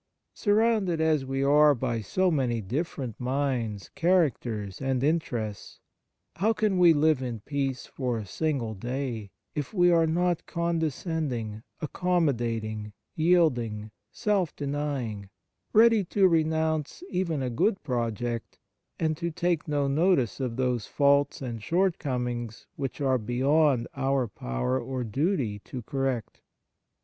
Sur rounded as we are by so many different minds, characters, and interests, how can we live in peace for a single day if we are not con descending, accommodating, yielding, self denying, ready to renounce even a good 21 Fraternal Charity project, and to take no notice of those faults and shortcomings which are beyond our power or duty to correct